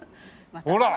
ほら！